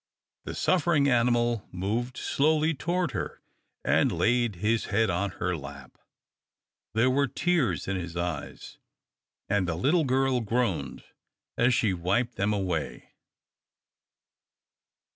The suffering animal moved slowly toward her, and laid his head on her lap. There were tears in his eyes, and the little girl groaned as she wiped them away.